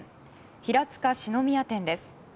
平塚四之宮店です。